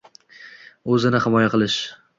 O'zini himoya qilish.